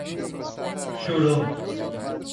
Choró